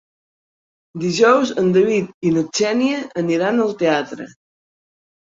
Dijous en David i na Xènia aniran al teatre.